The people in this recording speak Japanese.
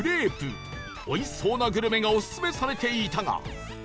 おいしそうなグルメがオススメされていたが